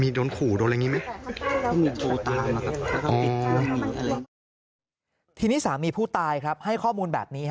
มีโดนขู่โดนอะไรอย่างนี้ไหมไม่มีอะไรสามีผู้ตายให้ข้อมูลแบบนี้